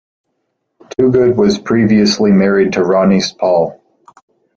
Toogood was previously married to Ronise Paul.